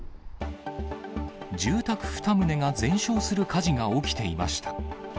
住宅２棟が全焼する火事が起きていました。